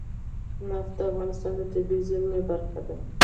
نفت د افغانستان د طبیعي زیرمو برخه ده.